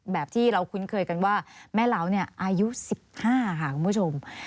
แบบที่เราคุ้นเคยกันว่าแม่เล้าอายุ๑๕ค่ะคุณผู้ชม